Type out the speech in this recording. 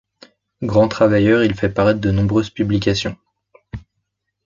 Grand travailleur, il fait paraître de nombreuses publications.